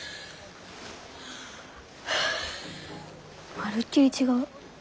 まるっきり違う。